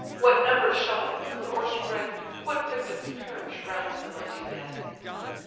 what numbers shall the field o'erspread, What victims perish round the mighty dead!